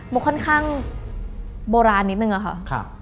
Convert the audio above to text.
มันค่อนข้างโบราณนิดนึงอะค่ะ